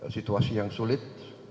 situasi yang sulit